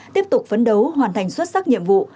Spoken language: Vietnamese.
tiếp tục phấn đấu hoàn thành xuất sắc nhiệm vụ